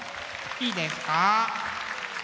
いいですか？